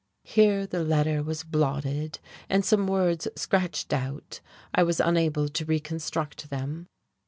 Here the letter was blotted, and some words scratched out. I was unable to reconstruct them.